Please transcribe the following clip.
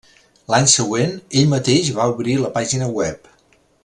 L'any següent, ell mateix va obrir la pàgina web.